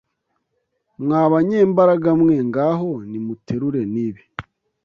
mwa banyembaraga mwe ngaho nimuterure nibi